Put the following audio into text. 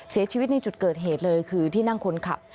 เสียชีวิตในจุดเกิดเหตุเลยคือที่นั่งคนขับ